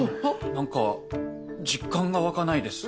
何か実感が湧かないです。